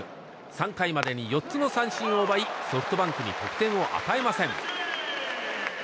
３回までに４つの三振を奪いソフトバンクに得点を与えません。